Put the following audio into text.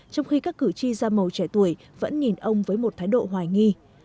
trong khi các cử tri da màu trẻ tuổi vẫn nhìn ông với một thái độ hoài nghi